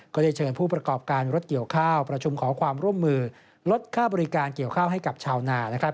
ก็ได้เชิญผู้ประกอบการรถเกี่ยวข้าวประชุมขอความร่วมมือลดค่าบริการเกี่ยวข้าวให้กับชาวนานะครับ